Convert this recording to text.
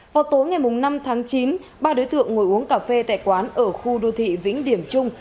vào tối ngày năm tháng chín ba đối tượng ngồi uống cà phê tại quán ở khu đô thị vĩnh điểm trung